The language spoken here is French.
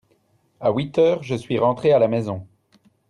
à huit heures je suis rentré à la maison.